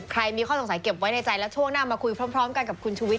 มีข้อสงสัยเก็บไว้ในใจแล้วช่วงหน้ามาคุยพร้อมกันกับคุณชุวิต